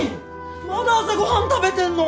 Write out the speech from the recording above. まだ朝ご飯食べてんの？